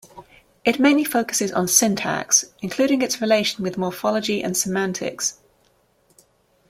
It mainly focuses on syntax, including its relation with morphology and semantics.